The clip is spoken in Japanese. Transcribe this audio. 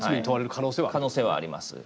可能性はあります。